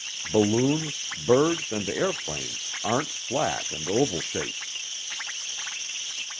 Balloons, birds, and airplanes aren't flat and oval shaped.